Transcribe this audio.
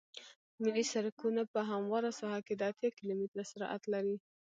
ملي سرکونه په همواره ساحه کې د اتیا کیلومتره سرعت لري